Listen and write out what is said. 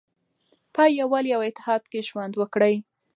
په یووالي او اتحاد کې ژوند وکړئ.